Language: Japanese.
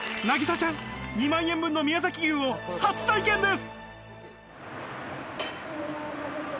渚ちゃん、２万円分の宮崎牛を初体験です。